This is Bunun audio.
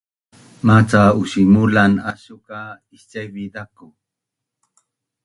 maca usimulan asu ka icaivi zaku